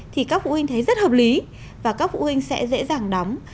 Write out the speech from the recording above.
thì các phụ huynh thấy rất hợp lý và các phụ huynh sẽ dễ dàng đóng